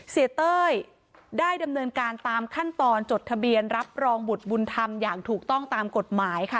เต้ยได้ดำเนินการตามขั้นตอนจดทะเบียนรับรองบุตรบุญธรรมอย่างถูกต้องตามกฎหมายค่ะ